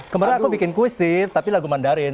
kemarin aku bikin kuisir tapi lagu mandarin